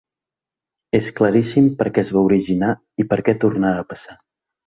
És claríssim per què es va originar i per què tornarà a passar.